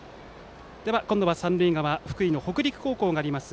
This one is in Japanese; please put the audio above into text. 今度は三塁側福井の北陸高校があります